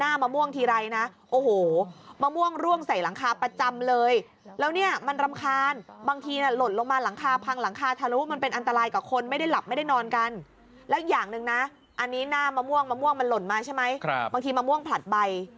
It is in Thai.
มะม่วงมันหล่นมาใช่ไหมบางทีมะม่วงผลัดใบ